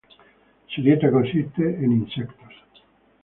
Su dieta consiste de insectos.